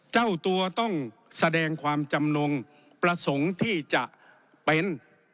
เจ้าตัวต้องแสดงความจำนงประสงค์ที่จะเป็น